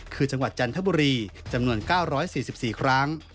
คือจังหวัดจันทบุรีจำนวน๙๔๔ครั้ง